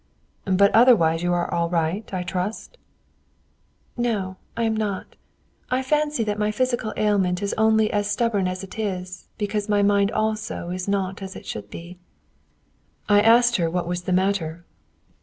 "But otherwise you are all right, I trust?" "No, I am not. I fancy that my physical ailment is only as stubborn as it is, because my mind also is not as it should be." I asked her what was the matter.